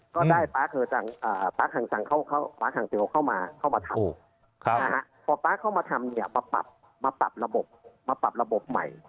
ก็ได้ปาร์คฮังเต๋วเข้ามาทำพอปาร์คเข้ามาทำเนี่ยมาปรับระบบใหม่